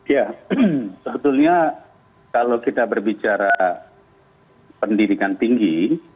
ya sebetulnya kalau kita berbicara pendidikan tinggi